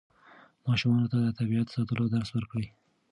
ماشومانو ته د طبیعت ساتلو درس ورکړئ.